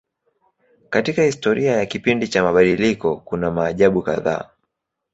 Katika historia ya kipindi cha mabadiliko kuna maajabu kadhaa.